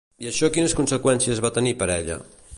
I això quines conseqüències va tenir per ella?